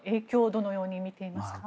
どのように見ていますか。